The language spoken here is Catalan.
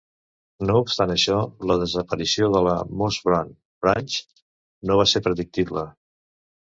No obstant això, la desaparició de la Mossburn Branch no va ser predictible.